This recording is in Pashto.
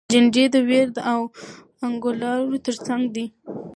جنډې د ویر او انګولاوو تر څنګ دي.